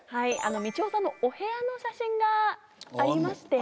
みちおさんのお部屋の写真がありまして。